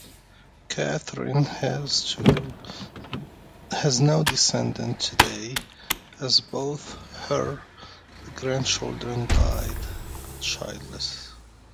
Catherine has no descendants today, as both her grandchildren died childless.